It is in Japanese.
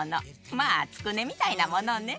まあつくねみたいなものね。